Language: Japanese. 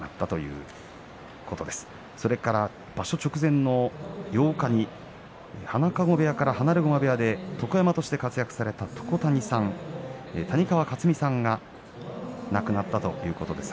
それから場所直前の８日に花籠部屋から放駒部屋で床山として活躍された床谷さん谷川勝己さんが亡くなったということです。